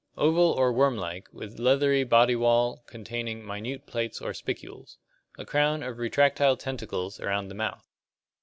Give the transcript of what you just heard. Oval or worm like, with leathery body wall containing minute plates or spicules. A crown of retractile tentacles around the mouth.